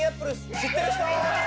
知ってる人？